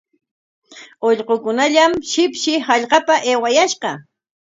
Ullqukunallam shipshi hallqapa aywayashqa.